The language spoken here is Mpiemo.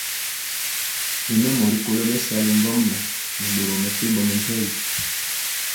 Nyɛmemɔ rikolo bɛsali ŋgomnaŋ nɛ boro mepempɔ mɛmpegi.